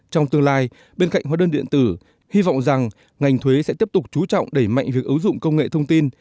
trong tương lai bên cạnh hóa đơn điện tử hy vọng rằng ngành thuế sẽ tiếp tục chú trọng đẩy mạnh việc ứng dụng công nghệ thông tin